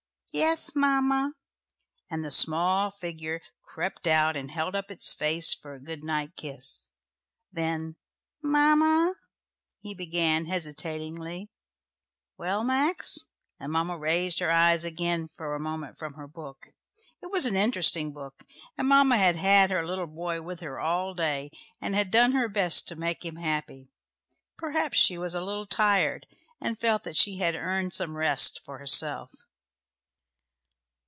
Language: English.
"Yes, mamma," and the small figure crept out and held up its face for a good night kiss. Then "mamma," he began, hesitatingly. "Well, Max," and mamma raised her eyes again for a moment from her book. It was a very interesting book, and mamma had had her little boy with her all day, and had done her best to make him happy. Perhaps she was a little tired, and felt that she had earned some rest for herself.